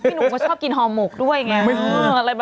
พี่หนูก็ชอบกินฮอมหมุกด้วยไง